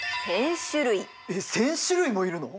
えっ１，０００種類もいるの？